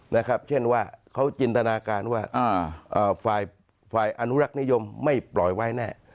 นะครับเช่นว่าเขาจินตนาการว่าฝ่ายฝ่ายอนุรักษ์นิยมไม่ปล่อยไว้แน่